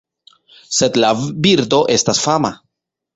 Sed la birdo estas fama.